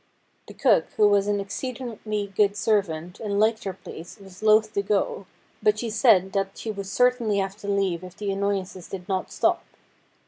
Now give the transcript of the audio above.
The cook, who was an exceedingly good servant, and liked her place, was loath to go, but she said that she would certainly have to leave if the annoyances did not stop.